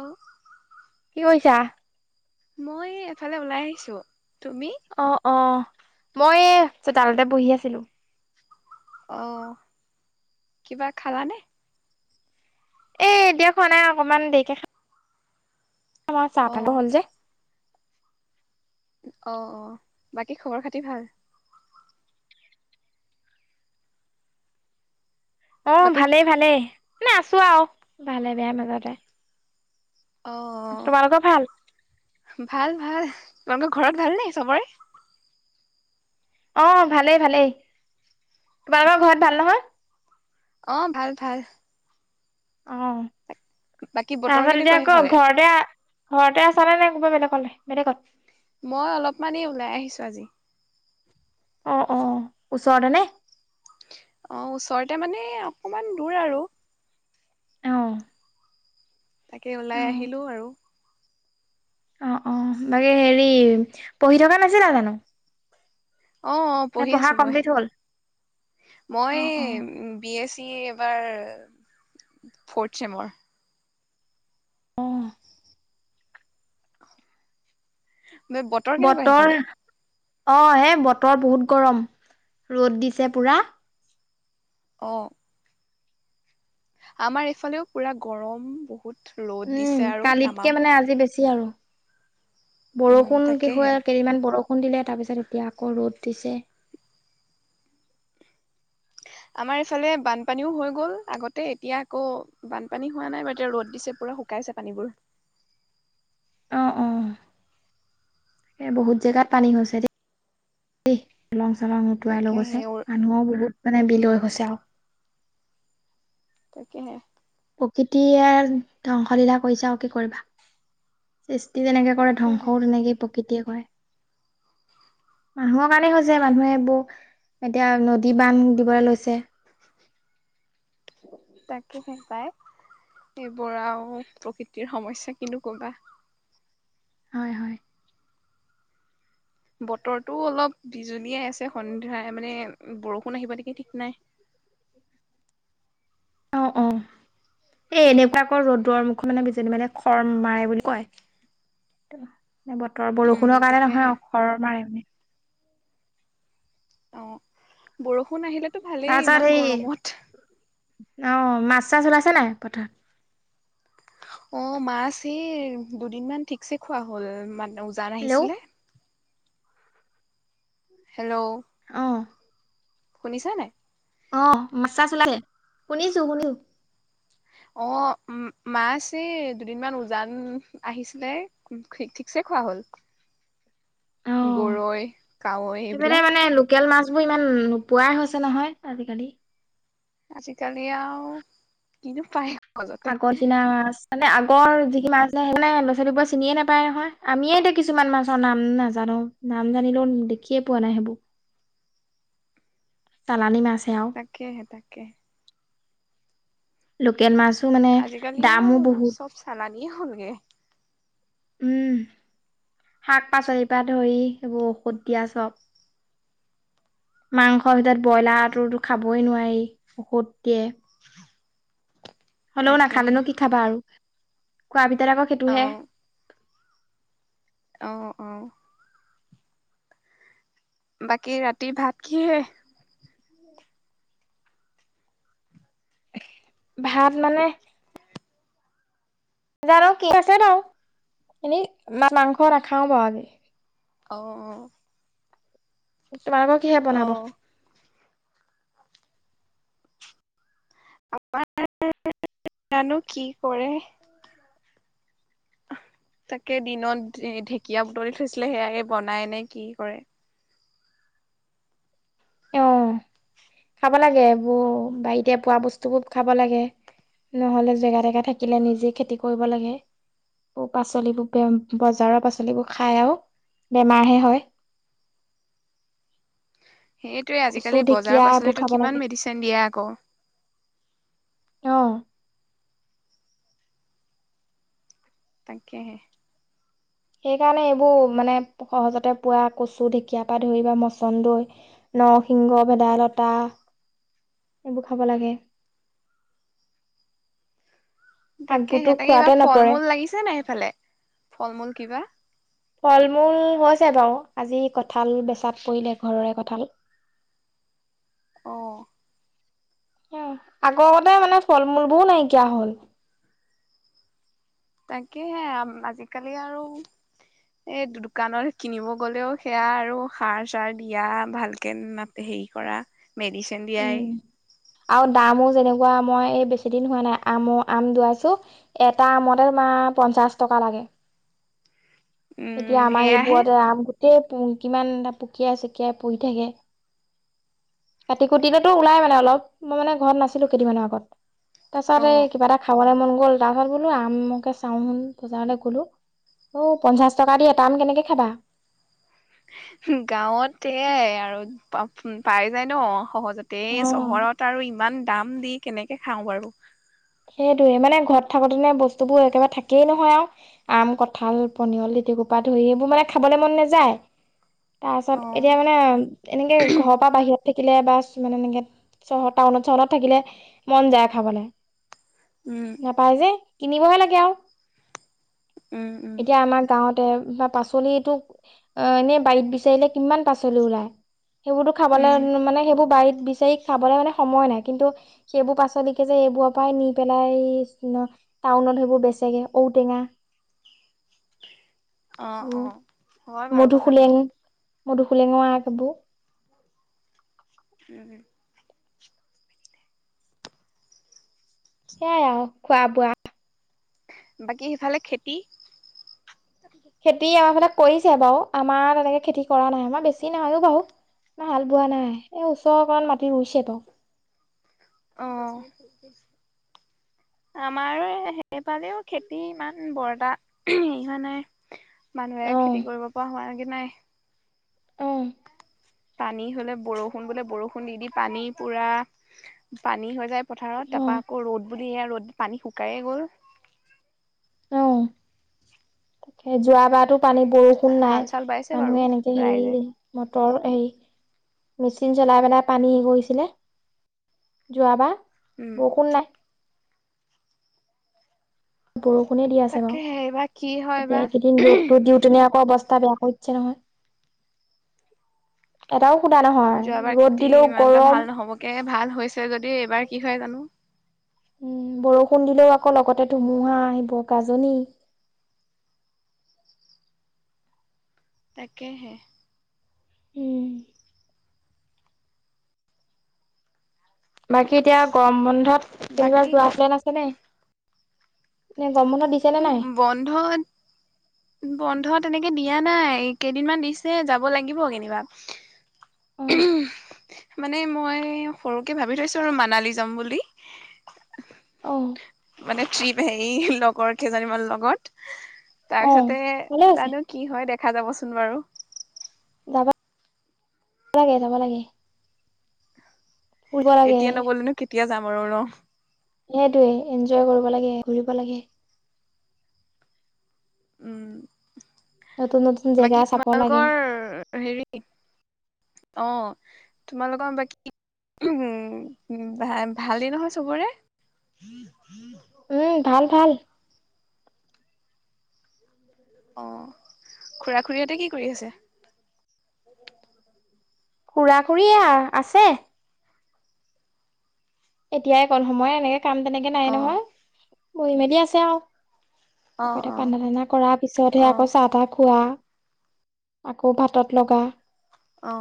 অ' কি কৰিছা মই এফালে ওলাই আহিছো। অ অ মই চোতালতে বহি আছিলো। অ কিবা খালানে? এ দিয়ক খোৱা নাই অকমান দেৰিকে খাম মাৰ চাহ থাকিব অ' হ'ল যে অ অ বাকী খবৰ খাতি ভাল। অ বাকী ভালেই ভালেই মানে আছো আৰু ভালে বেয়াৰ মাজতে। অ তোমালোকৰ ভাল? ভাল ভাল। তোমালোকৰ ঘৰত ভাল নে চবৰে। অ ভালেই ভালেই তোমালোকৰ ঘৰত ভাল নহয়। অ ভাল ভাল অ বাকী বতৰ তৰপা এতিয়া কেনেকুৱা সেইফালে? ঘৰ তে ঘৰতে আছা নে নাই কিবা বেলেগলৈ বেলেগত মই অলপমানেই ওলাই আহিছো আজি অ অ ওচৰতে নে অ ওচৰতে মানে অকমান দূৰ আৰু আহ তাকে ওলাই আহিলো আৰু অ অ বাকী হেৰি পঢ়ি থকা নাছিলা জানো? অ অ নে পঢ়ি পঢ়া আছো মই কমপ্লিট হ'ল? মই অ', অ', বি এছ এবাৰ ফট [unintelligible] চেমৰ আহ বতৰ কেনেকুৱা সেইফালে অ হেই বতৰ বহুত গৰম ৰ'দ দিছে পুৰা। অঁ আমাৰ এইফালেও পুৰা গৰম বহুত ৰ'দ উম দিছে আৰু কালিতকে তামাম। মানে আজি বেছি আৰু উম বৰষুণ কি তাকেহে হয় কেইদিমান বৰষুণ খুন্দিলে তাৰ পিছত এতিয়া আকৌ ৰ'দ দিছে। [unintelligible] আমাৰ এইফালে বানপানীও হৈ গ'ল আগতে এতিয়া আকৌ বানপানী হোৱা নাই বা এতিয়া ৰ'দ দিছে পুৰা শুক শুকাইছে পানীবোৰ অ অ [unintelligible] এ বহুত জেগাত পানী হৈছে দেই দ ল দলং উটুৱাই লৈ তাকে গৈছে সেই মানুহও বহুত মানে বিলয় উম হৈছে আৰু তাকেহে প্ৰকৃতি ধ্বংসলীলা কৰিছে আৰু কি কৰিবা সৃষ্টি তেনেকৈ কৰে তাকেহে ধ্বংসও তেনেকেই প্ৰকৃতিয়ে কৰে [inaudible] মানুহৰ কাৰণে হৈছে মানুহে বৌ এতিয়া নদী বান্ধ দিবলৈ লৈছে তাকে সে পায় এইবোৰ আৰুও প্ৰকৃতিৰ সমস্যা কিনো কবা হয়। হয়। বতৰৰটো অলপ বিজুলিয়ে আছে সন্ধাই মানে বৰষুণ আহিবা নেকি ঠিক নাই অ অ এ এনেকুৱা আকৌ ৰ'দৰ মুখত মানে বিজনী মানে খৰ মাৰে বুলি কয়। বতৰ উম বৰষুণৰ কাৰণে তাকেহে নহয় খৰ মাৰে মানে অ বৰষুণ আহিলেতো ভালেই তাৰপিছত ইমান সেই গৰমত অ' মাছ চাছ ওলাইছে নাই পথাৰত অ মাছ এই দুদিন মান ঠিকছে খোৱা হ'ল ম উজান হেল্ল' আহিছিলে? হেল্ল' অ' শুনিছা নাই অ মা চাছ ওলাইছে শুনিছো শুনিছো? অ মাছ এই দুদিনমান উজান আহিছিলে ঠিক ঠিকছে খোৱা হ'ল অ' গৰৈ কাৱৈ এইবিলাক বোৰ ইমান নোপোৱাই হৈছে নহয় আজিকালি আজিকালি আৰু কিনো পায়। সহজতে আগৰ দিনা মানে আগ বোৰ যিখি মাছ নে সেইকাৰে ল'ৰা ছোৱালীবোৰ চিনিয়ে নাপায় নহয় আমিয়ে এতিয়া কিছুমান মাছৰ নাম নাজানো নাম জানিলেও দেখিয়ে পোৱা নাই সেইবোৰ তালানি মাছ তাকেহে তাকে লোকেল মাছ- আজিকাল ও চব চালানিয় হলগে উম শাক-পাচলিৰ পৰা ধৰি এইবোৰ ঔষধ দিয়া চব মাংসৰ ভিতৰত ব্ৰইলাৰটোতো খাবই নোৱাৰি ঔষধ দিয়ে। হলেও নাখালে তাকেহে নো কি খাবা আৰু খোৱা ভিতৰত আকৌ সেইটোহে আহ আহ বাকী ৰাতিৰ ভাত কিহে ভাত মানে জানো কি আছে ন এ মাংস নাখাওঁ বাও আজি অঁ অ তোমালোকৰ কিহে অ বনাব? আমাৰ জানো কি কৰে? তাকে দিনত ঢেকীয়া বুটলি থৈছিলে সেয়াকে বনাই নে কি? কৰে অ খাব লাগে বোৰ বাৰীতে পোৱা বস্তুবোৰ খাব লাগে? নহলে জেগা জেগা থাকিলে নিজে খেতি কৰিব লাগে। পাচলিবোৰ বজাৰৰ পাচলিবোৰ খাই আৰু বেমাৰহে হয়। [inaudible] সেইটোৱে কচু আজিকালি বজাৰৰ ঢেকীয়া এইবোৰ পাচলি খাব লাগে কিমান মেডিচিন দিয়ে আকৌ অ তাকেহে সেইকাৰণে এইবোৰ মানে সহজতে পোৱা কচু ঢেকীয়াৰ পৰা ধৰি বা মচন্দই নৰসিংহ ভেদাইলতা এইবোৰ খাব লাগে- [inaudible] তাকে শাকবোৰতো সে তাকে এইবাৰ খোৱাতে ফল নপৰে মূল লাগিছে নাই সেইফালে? ফল মূল কিবা- ফল মূল হৈছে বাৰু- আজি কঁঠাল বেচাত পৰিলে ঘৰৰে কঠাল- অ অ আগৰ আগতে মানে ফল মূল বোৰ নাইকিয়া হ'ল - তাকেহে আজিকালি আৰু- এই দোকানত কিনিব গ'লেও সেয়া আৰু সাৰ- দিয়া ভালকে হেৰি কৰা- মেডিচিন দিয়াই- খোৱা মই এই বেছি দিন হোৱা নাই আম আম দুৱাইছো এটা আমতে তোমাৰ পঞ্চাশ টকা লাগে- হয় [inaudible] এতিয়া উম আমাৰ সেয়াহে এইবোৰতে আম গোটেই কিমান এটা পুকিয়াই চকিয়াই পৰি থাকে- কাতি কুটটোতো ওলাই মানে অলপ, মই মানে ঘৰত নাছিলোঁ কেইদিনৰ আগত- তাৰপাছত অ এই কিবা এটা খাবলৈ মন গ'ল তাৰপাছত বোলো আমকে চাওঁ চোন বজাৰলৈ গলোঁ - অ পঞ্চাশ টকা দি এটা আম কেনেকে খাবা- গাঁৱতে এয়াই আৰু পাই যায় ন- সহজতে অ চহৰত আৰু ইমান দাম দি কেনেকে খাওঁ বাৰু! সেইটোয়ে মানে ঘৰত থাকোতেনে বস্তুবোৰ একেবাৰে থাকেই নহয় আৰু আম, কঁঠাল, পনিয়লি- গোটেই সোপা ধৰি সেইবোৰ মানে খাবলৈ মন নাযায়- [inaudible] তাৰ পাছত অ' এতিয়া মানে এনেকে ঘৰৰ পৰা বাহিৰত- থাকিলে বা মানে এনেকে চহৰ টাউনত চহৰত থাকিলে মন যায় খাবলৈ- উম নাপাই যে কিনিবহে লাগে আৰু উম উম এতিয়া আমাৰ গাঁৱত- বা পাচলিটো অ এনে বাৰীত বিচাৰিলে কিমান পাচলি ওলায়- সেইবোৰতো খাবলৈ উম মানে সেইবোৰ বাৰীত- বিচাৰি খাবলৈ মানে সময় নাই কিন্তু সেইবোৰ পাচলিকে যে এইবোৰ- পাই নি পেলাই টাউনত সেইবোৰ বেচগে ঔটেঙা- অ অ উম হয় বাৰু কথাটো- মদুখুলেঙৰ আগ এইবোৰ - উম সেইয়াই আৰু খোৱা বোৱা- বাকী সেইফালে খেতি- খেতি আমাৰ ফালে কৰিছে বাৰু আমাৰ তেনেকে খেতি কৰা নাই আমাৰ বেছি নাই ও বাৰু- না হাল বোৱা নাই এই ওচৰৰ অকণ মাটি ৰুইছে ত অ আমাৰো সেইফালেও খেতি ইমান বৰ টা হেৰি হোৱা নাই। মানুহে অ খেতি কৰিব পৰা হোৱাগে নাই। অহ পানী হলে বৰষুণ বোলে বৰষুণ দি দি পানী পুৰা পানী হৈ যায়। পথাৰত অ তাৰপৰা আকৌ ৰ'দ বুলি এ ৰ'দ পানী শুকাইে গ'ল। অ তাকে যোৱা- কিবাতো পানী বৰষুণ নাই হাল চাল বাইছে বাৰু মানুহে এনেকে ৰাইজে হেৰি মটৰ সেই মেচিন জ্বলাই পেলাই পানী হে কৰিছিলে যোৱা বা উম বৰষুণে দি আছে ন তাকে এইবাৰ কি হয় এতিয়া বা এইকেইদিন ৰ'দতো দি কেনে আকৌ অৱস্থ- অৱস্থা বেয়া কৰি দিছে নহয় এটাও- খুন্দা নহয় যোৱাবাৰ ৰ'দ খেতি দিলেও ইমান এটা ভাল গৰম- নহ'বগে ভাল হৈছে যদি এইবাৰ কি হয় জানো- উম বৰষুণ দিলেও আকৌ লগতে ধুমুহা আহিব গাজনী [inaudible] তাকে হে উম বাকী এতিয়া গৰম বন্ধত কেনিবা বাকী যোৱা প্লেন আছে নে? গৰম বন্ধ দিছে নে নাই? বন্ধত বন্ধ তেনেকে দিয়া নাই কেইদিনমান দিছে যাব লাগিব কেনিবা। অ [unintelligible] মানে মই সৰুকে ভাবি থৈছো আৰু মানালী যাম বুলি। অ মানে ট্ৰিপ হেৰি লগৰ কেইজনি লগত অ তাৰপিছতে ভালে হৈছে জানো কি হয় দেখা যাবচোন বাৰু। যাবা যাব লাগে যাব লাগে। ফুৰিব লাগে এতিয়া নগলেনো কেতিয়া যাম আৰু ন সেইটোৱে এনজয় কৰোব লাগে ঘুৰিব লাগে। নতুন নতুন উম জেগা বাকী চাব লাগে। তোমালোকৰ হেৰি অ তোমালোকৰ বাকী উম ভা ভালেই নহয় চবৰে উম ভাল ভাল অ খুৰা খুৰিহতে কি কৰি আছে? খুৰা খুৰিয়ে আছে। এতিয়াই অকণ সময় এনেকে কাম তেনেকে নাই অ নহয় বহি মেলি আছে আও। অ আগতে অ পাটনা কৰা পিছতহে অ আকৌ চাহ তাহ খোৱা আকৌ ভাতত লগা অ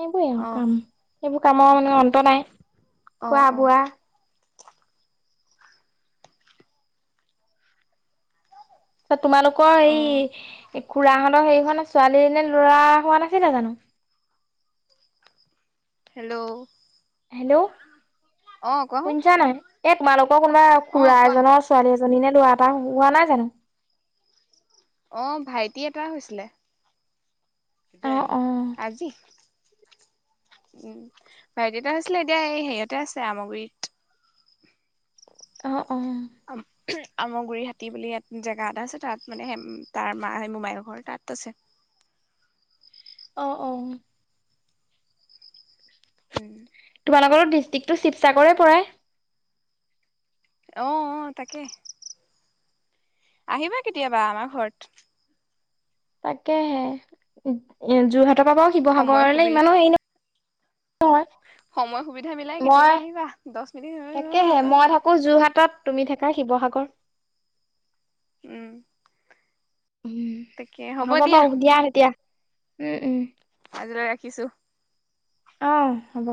সেইবোৰেই আৰু অ কাম এইবোৰ কামৰ মানে অন্ত নাই অ খোৱা অ বোৱা তোমালোকৰ অ এই এই খুড়াহঁতৰ হেৰিখনে ছোৱালী নে লৰা হোৱা নাছিলে জানো? হেল্ল' হেল্ল' অ কোৱাচোন শুনিচা নাই এ তোমালোকৰ কোনোবা অ খুৰা কোৱা এজনৰ ছোৱালী এজ- জনী নে লৰা এটা হোৱা নাই জানো? অ ভাইটি এটা হৈছিলে। কেতিয়া অ', আহিলি তই অ', আজি উম ভাইটি এটা হৈছিলে এতিয়া এই হেৰিহঁতে আছে আমগুৰিত অ অ। আমগুৰি হাতী বুলি ইয়াত জেগা এটা আছে তাত মানে তাৰ মা মোবাইল ঘৰ তাত আছে। [inaudible] অ অ উম। তোমালোকৰো ডিষ্ট্ৰিক্টটো শিৱসাগৰে পৰে। অ অ তাকে। আহিবা কেতিয়াবা আমাৰ ঘৰত তাকেহে যোৰহাটৰ পৰা বাউ সময় শিৱসাগৰলে সুবি ইমানো হেৰি নহয়। সময় সুবিধা মিলাই মই কেতিয়াবা আহিবা দশ। তাকেহে মই থাকো যোৰহাটত তুমি থোকা শিৱসাগৰ উম উম হ'ব বাৰু দিয়া এতিয়া উম উম হজৰা ৰাখিছো অ হ'ব